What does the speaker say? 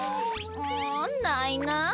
うんないな。